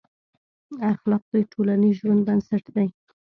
اخلاق د ټولنیز ژوند بنسټ دي.